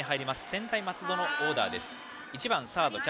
専大松戸のオーダーです。